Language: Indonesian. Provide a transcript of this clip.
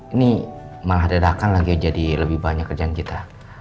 ini malah dagang lagi jadi lebih banyak kerjaan kita